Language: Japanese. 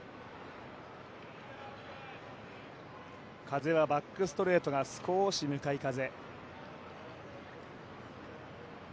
風はバックストレートが少し向かい風。